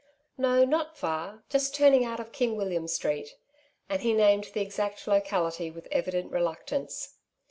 " No, not far ; just turning out of King William Street," and he named the exact locality with evident reluctance.